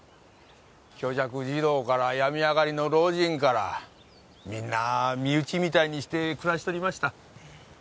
虚弱児童から病み上がりの老人からみんな身内みたいにして暮らしとりました。